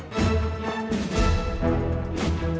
jangan jangan jangan